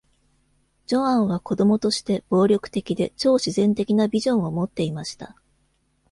ジョアンは子供として暴力的で超自然的なビジョンを持っていました。